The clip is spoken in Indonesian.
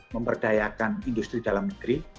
memperdayakan industri dalam negeri